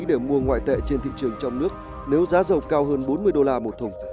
để mua ngoại tệ trên thị trường trong nước nếu giá dầu cao hơn bốn mươi đô la một thùng